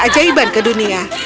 ajaiban ke dunia